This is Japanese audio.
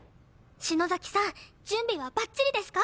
篠崎さん準備はばっちりですか？